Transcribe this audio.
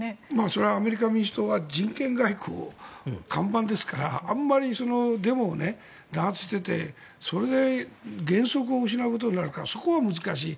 それはアメリカの民主党は人権外交が看板ですからあまりデモを弾圧していてそれで原則を失うことになるからそこは難しい。